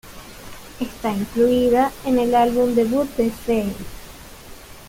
Está incluida en el álbum debut de Fey.